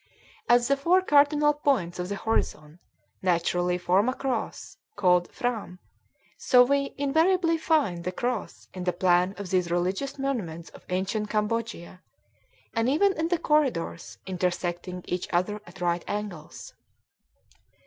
As the four cardinal points of the horizon naturally form a cross, called "phram," so we invariably find the cross in the plan of these religious monuments of ancient Cambodia, and even in the corridors, intersecting each other at right angles.